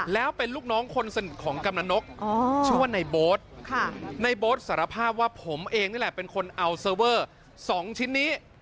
แล้วเป็นลูกน้องคนสนิทของกำลังนกชื่อว่าในโบ๊ทในโบ๊ทสารภาพว่าผมเองนี่แหละเป็นคนเอาเซอร์เวอร์๒ชิ้นนี้